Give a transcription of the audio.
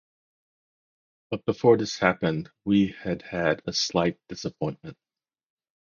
But before this happened we had had a slight disappointment.